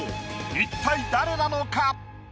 一体誰なのか？